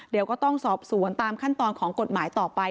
เดี๋ยวก็ต้องสอบสวนตามขั้นตอนของกฎหมายต่อไป